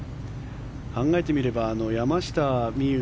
考えてみれば山下美夢